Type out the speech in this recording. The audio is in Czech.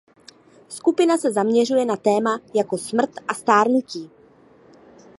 Skupina se zaměřuje na téma jako smrt a stárnutí.